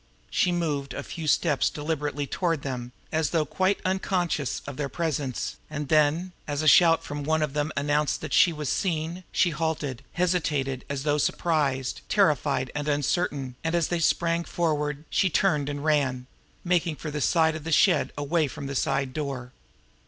She moved a few steps deliberately toward them, as though quite unconscious of their presence; and then, as a shout from one of them announced that she was seen, she halted, hesitated as though surprised, terrified and uncertain, and, as they sprang forward, she turned and ran making for the side of the shed away from the side door.